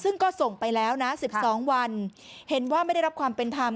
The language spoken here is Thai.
ซึ่งก็ส่งไปแล้วนะ๑๒วันเห็นว่าไม่ได้รับความเป็นธรรม